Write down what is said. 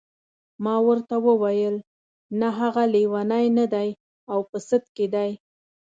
ما ورته وویل نه هغه لیونی نه دی او په سد کې دی.